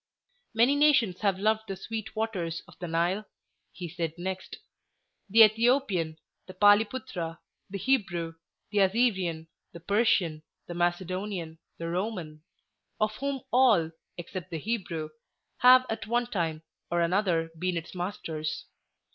"Many nations have loved the sweet waters of the Nile," he said next; "the Ethiopian, the Pali Putra, the Hebrew, the Assyrian, the Persian, the Macedonian, the Roman—of whom all, except the Hebrew, have at one time or another been its masters.